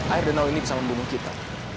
air danau ini bisa membunuh kita